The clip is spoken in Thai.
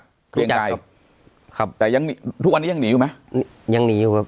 เรียงไกรครับแต่ยังหนีทุกวันนี้ยังหนีอยู่ไหมยังหนีอยู่ครับ